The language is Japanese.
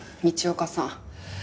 道岡さん